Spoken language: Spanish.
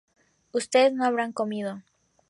Ustedes no habrán comido